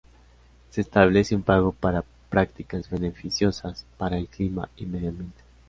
Se establece un pago para prácticas beneficiosas para el clima y medio ambiente.